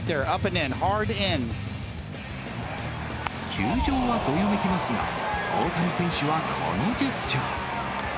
球場はどよめきますが、大谷選手はこのジェスチャー。